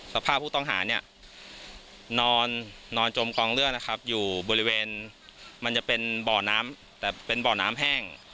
สภาพผู้ต้องหาเนี่ยนอนจมกองเลือดนะครับอยู่บริเวณมันจะเป็นบ่อน้ำแต่เป็นบ่อน้ำแห้ง